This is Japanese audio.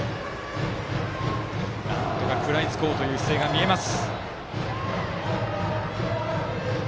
なんとか食らいつこうという姿勢が見えます。